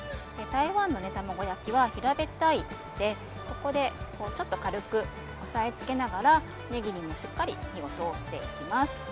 台湾のたまご焼きは平べったいのでここでちょっと軽く押さえつけながらねぎにもしっかり火を通していきます。